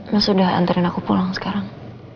lu sudah antarin aku pulang sekarang